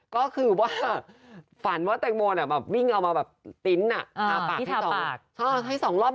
ก็คือว่าฝันว่าแตงโมวิ่งเอามาแบบติ๊นต์ทาปากให้๒รอบ